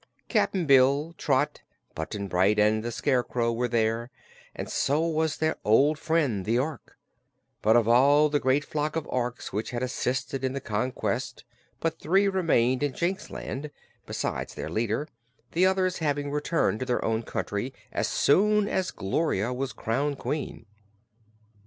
Cap'n Bill, Trot, Button Bright and the Scarecrow were there, and so was their old friend the Ork; but of all the great flock of Orks which had assisted in the conquest but three remained in Jinxland, besides their leader, the others having returned to their own country as soon as Gloria was crowned Queen.